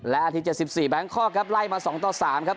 และอาทิตย์เจ็บสิบสี่แบงค์คลอกครับไล่มาสองต่อสามครับ